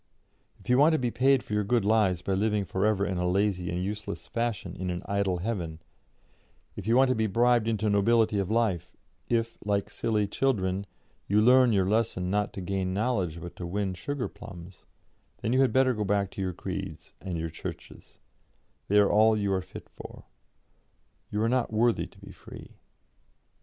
If you want to be paid for your good lives by living for ever in a lazy and useless fashion in an idle heaven; if you want to be bribed into nobility of life; if, like silly children, you learn your lesson not to gain knowledge but to win sugar plums, then you had better go back to your creeds and your churches; they are all you are fit for; you are not worthy to be free.